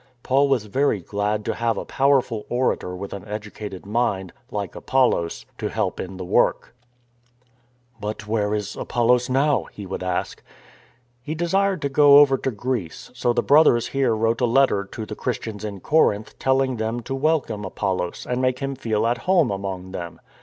Paul was very glad to have a powerful orator with an educated mind, like Apollos, to help in the work. 250 THE DEFIANCE OF ARTEMIS 25t "But where is Apollos now?" he would ask. " He desired to go over to Greece; so the Brothers here wrote a letter to the Christians in Corinth tell ing them to welcome Apollos and make him feel at home among them.